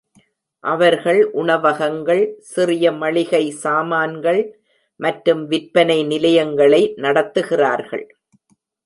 அவர்கள் உணவகங்கள், சிறிய மளிகை சாமான்கள் மற்றும் விற்பனை நிலையங்களை நடத்துகிறார்கள்.